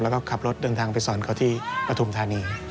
แล้วก็ขับรถเดินทางไปสอนเขาที่ปฐุมธานี